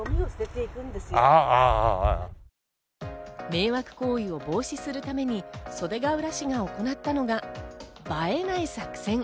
迷惑行為を防止するために袖ケ浦市が行ったのが映えない作戦。